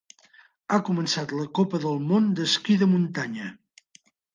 Ha començat la Copa del Món d'esquí de muntanya.